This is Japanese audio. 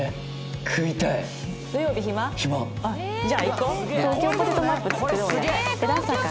じゃあ行こう！